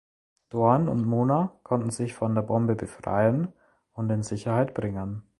Dorn und Mona konnten sich von der Bombe befreien und in Sicherheit bringen.